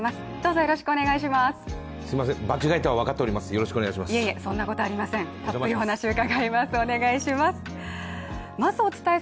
よろしくお願いします。